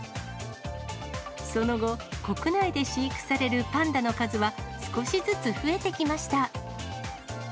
その後、国内で飼育されるパンダの数は、少しずつ増えてきました。